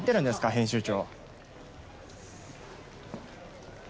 編集長！